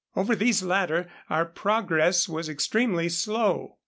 Over these latter our progress was extremely slow.